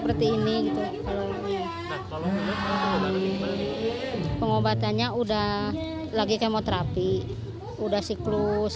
pengobatannya sudah lagi kemoterapi sudah siklus ke sepuluh